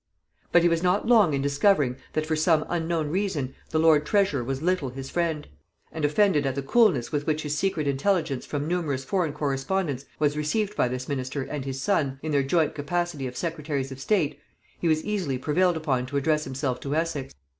But he was not long in discovering, that for some unknown reason the lord treasurer was little his friend; and offended at the coolness with which his secret intelligence from numerous foreign correspondents was received by this minister and his son, in their joint capacity of secretaries of state, he was easily prevailed upon to address himself to Essex.